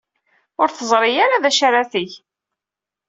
Ur teẓri ara d acu ara teg.